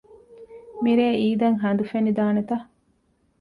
މިރޭ އީދަށް ހަނދު ފެނިދާނެތަ؟